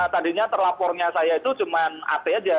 tadinya terlapornya saya itu cuma at aja